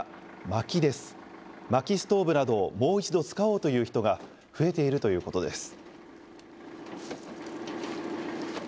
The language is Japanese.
まきストーブなどをもう一度、使おうという人が増えているということです。